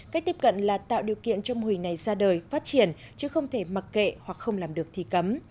cách tiếp cận là tạo điều kiện cho mô hình này ra đời phát triển chứ không thể mặc kệ hoặc không làm được thì cấm